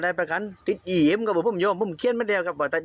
ได้ประคัญติดหยิมก็บอกปุ้มโยมปุ้มเคลียดไม่ได้กับว่าแต่